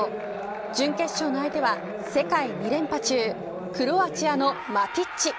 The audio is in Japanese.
準決勝の相手は、世界２連覇中クロアチアのマティッチ。